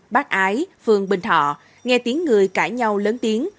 bác ái phường bình thọ nghe tiếng người cãi nhau lớn tiếng